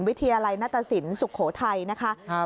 วิทยาลัยนัตตสินสุโขทัยนะคะ